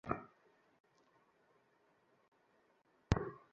কিন্তু যে মুহূর্তে সেই আদর্শটি ধ্বংসপ্রাপ্ত হয়, সঙ্গে সঙ্গে ঐ জাতিরও মৃত্যু ঘটে।